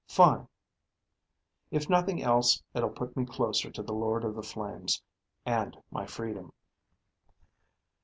"Fine." "If nothing else, it'll put me closer to the Lord of the Flames ... and my freedom."